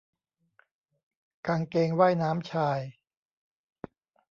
กางเกงว่ายน้ำชาย